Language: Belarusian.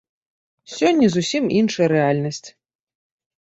Сёння зусім іншая рэальнасць.